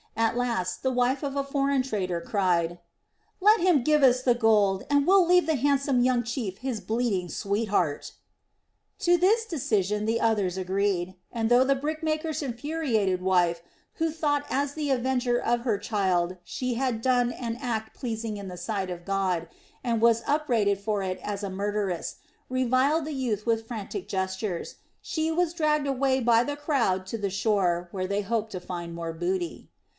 At last the wife of a foreign trader cried: "Let him give us the gold, and we'll leave the handsome young chief his bleeding sweetheart." To this decision the others agreed, and though the brickmaker's infuriated wife, who thought as the avenger of her child she had done an act pleasing in the sight of God, and was upbraided for it as a murderess, reviled the youth with frantic gestures, she was dragged away by the crowd to the shore where they hoped to find more booty.